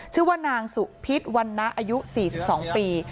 ชื่อว่านางสุพิษวันนะอายุ๔๒ปี